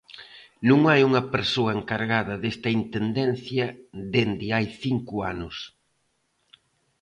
Non hai unha persoa encargada desta intendencia dende hai cinco anos.